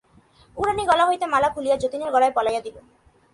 কুড়ানি গলা হইতে মালা খুলিয়া যতীনের গলায় পরাইয়া দিল।